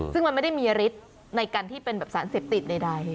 ซึ่งมันไม่ได้มีฤทธิ์ในการที่เป็นแบบสารเสพติดใด